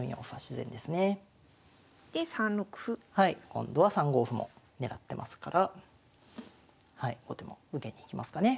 今度は３五歩も狙ってますから後手も受けに行きますかね。